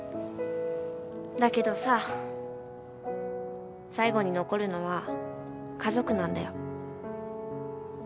だけどさ最後に残るのは家族なんだよ。